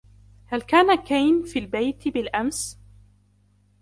هل كان كين في البيت بالأمس ؟